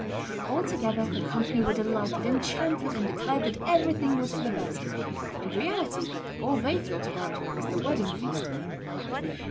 Altogether the company were delighted, enchanted, and declared that everything was for the best; in reality all they thought about was the wedding feast.